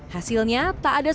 hasilnya tak ada sejumlah